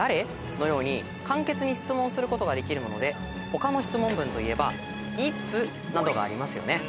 のように簡潔に質問することができるもので他の質問文といえば「いつ？」などがありますよね。